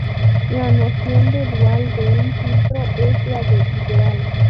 La noción de dual de un filtro es la de ideal.